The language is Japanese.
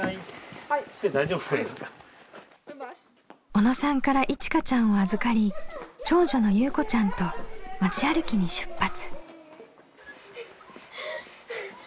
小野さんからいちかちゃんを預かり長女のゆうこちゃんと町歩きに出発。